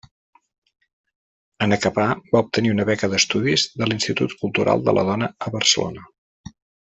En acabar va obtenir una beca d'estudis de l'Institut Cultural de la Dona a Barcelona.